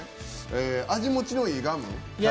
味もちのいいガム？